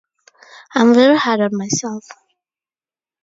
I'm very hard on myself.